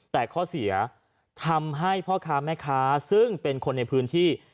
แต่ข้อเสียทำให้พ่อค้าแม่ค้าซึ่งเป็นคนในพื้นที่